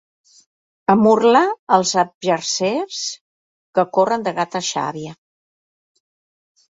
A Murla els algepsers que corren de Gata a Xàbia.